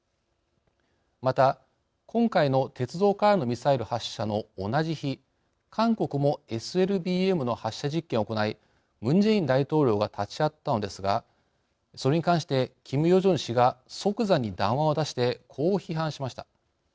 また、今回の鉄道からのミサイル発射の同じ日韓国もＳＬＢＭの発射実験を行いムン・ジェイン大統領が立ち会ったのですがそれに関してキム・ヨジョン氏が即座に談話を出してこう批判しました。